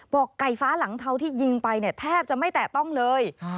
ไก่ฟ้าหลังเทาที่ยิงไปเนี่ยแทบจะไม่แตะต้องเลย